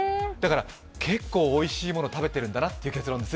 結構おいしいもの食べてるんだなという結論です。